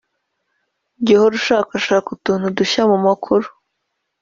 jya uhora ushakashaka utuntu dushya mu makuru